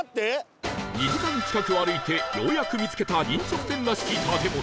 ２時間近く歩いてようやく見つけた飲食店らしき建物